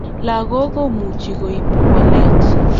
Lakok kumuchi kuip walet